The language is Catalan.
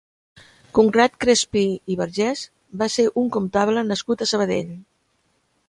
Conrad Crespí i Vergés va ser un comptable nascut a Sabadell.